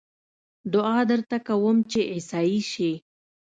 دعا درته کووم چې عيسائي شې